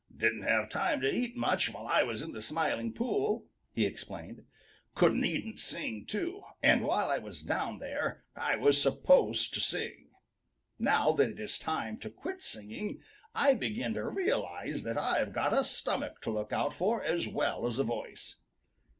"Didn't have time to eat much while I was in the Smiling Pool," he explained. "Couldn't eat and sing too, and while I was down there, I was supposed to sing. Now that it is time to quit singing, I begin to realize that I've got a stomach to look out for as well as a voice.